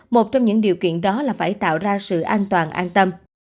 một trong những điều kiện đó là phải tạo ra sự an toàn an tâm